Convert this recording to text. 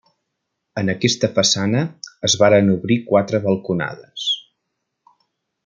En aquesta façana es varen obrir quatre balconades.